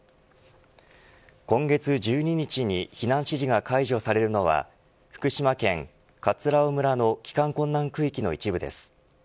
今月１２日に避難指示が解除されるのは福島県葛尾村の帰還困難区域の一部です。